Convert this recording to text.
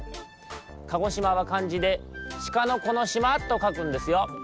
鹿児島はかんじで鹿の児の島とかくんですよ。